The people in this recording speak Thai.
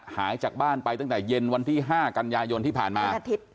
หายจากบ้านไปตั้งแต่เย็นวันที่๕กันยายนที่ผ่านมา